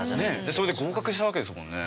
それで合格したわけですもんね。